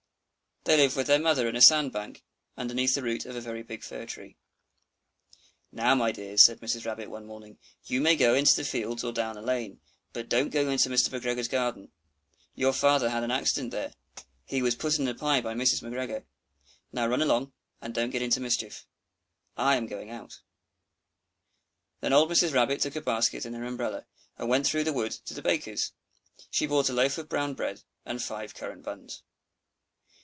They lived with their mother in a sand bank, underneath the root of a very big fir tree. "Now, my dears," said old Mrs. Rabbit, one morning, "you may go into the fields or down the lane, but don't go into Mr. McGregor's garden; your father had an accident there; he was put in a pie by Mrs. McGregor. Now run along, and don't get into mischief. I am going out." Then old Mrs. Rabbit took a basket and her umbrella, and went through the wood to the baker's. She bought a loaf of brown bread and five currant buns.